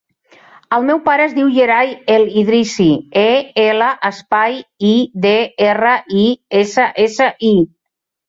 El meu pare es diu Yeray El Idrissi: e, ela, espai, i, de, erra, i, essa, essa, i.